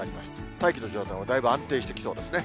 大気の状態もだいぶ安定してきそうですね。